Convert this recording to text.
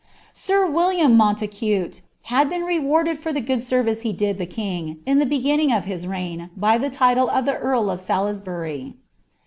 Sir William Montacute had been remrded for the good service he did the king, in the beginning of his reign, by the title of the earl of Salisbury.